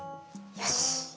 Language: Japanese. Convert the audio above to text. よし！